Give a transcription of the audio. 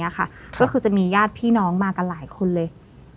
ก็คือจะมีญาติพี่น้องมากันหลายคนเลย